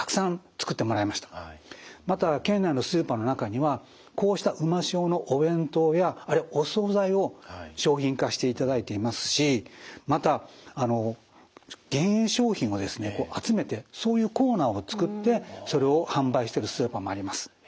また県内のスーパーの中にはこうしたうま塩のお弁当やお総菜を商品化していただいていますしまた減塩商品をですね集めてそういうコーナーを作ってそれを販売してるスーパーもあります。